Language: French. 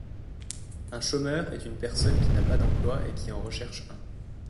Un chômeur est une personne qui n'a pas d'emploi et qui en recherche un.